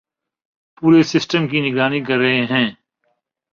پورے سسٹم کی نگرانی کررہے ہیں